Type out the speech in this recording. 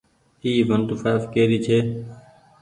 اي ونٽو ڦآئڦ ڪي ري ڇي۔